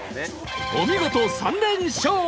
お見事３連勝！